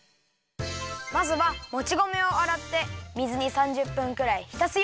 まずはもち米をあらって水に３０分くらいひたすよ！